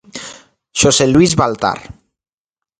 Xosé Luís Baltar.